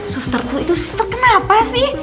suster itu suster kenapa sih